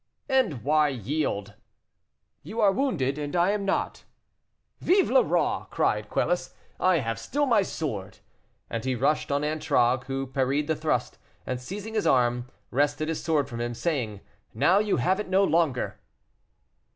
"And why yield?" "You are wounded, and I am not." "Vive le roi!" cried Quelus; "I have still my sword!" And he rushed on Antragues, who parried the thrust, and, seizing his arm, wrested his sword from him, saying, "Now you have it no longer."